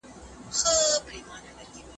پوهان به کار کړی وي.